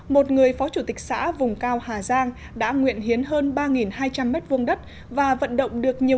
một người phó chủ tịch xã vùng cao hà giang đã nguyện hiến hơn ba hai trăm linh m hai đất và vận động được nhiều